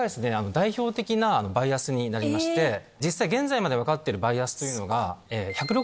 代表的なバイアスになりまして実際現在までに分かってるバイアスというのが。